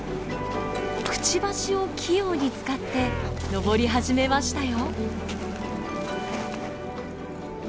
くちばしを器用に使って登り始めましたよ。